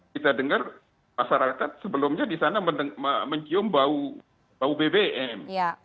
kita dengar masyarakat sebelumnya di sana mencium bau bbm